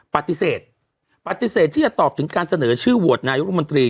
ปฏิเสธปฏิเสธที่จะตอบถึงการเสนอชื่อโหวตนายกรมนตรี